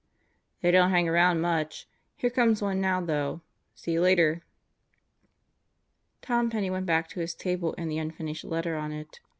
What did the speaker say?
"They don't hang around much. Here comes one now, though. See you later." Tom Penney went back to his table and the unfinished letter on it.